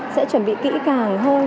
sẽ chuẩn bị kỹ càng hơn